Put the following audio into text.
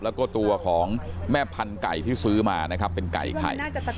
แล้วก็ตัวของแม่พันธุไก่ที่ซื้อมานะครับเป็นไก่ไข่